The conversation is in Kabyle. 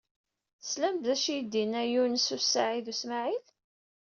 Teslamt d acu i d-yenna Yunes u Saɛid u Smaɛil?